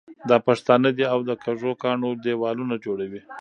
دا پښتانه دي او د کږو کاڼو دېوالونه جوړوي.